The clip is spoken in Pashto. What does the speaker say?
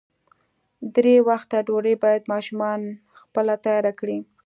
درې وخته ډوډۍ باید ماشومان خپله تیاره کړي.